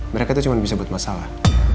mereka itu cuma bisa buat masalah